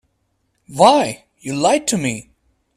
Why, you lied to me.